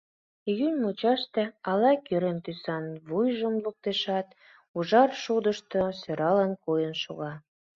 Июнь мучаште ал-кӱрен тӱсан вуйжым луктешат, ужар шудышто сӧралын койын шога.